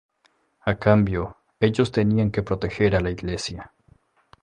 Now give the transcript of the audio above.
A cambio, ellos tenían que proteger a la iglesia.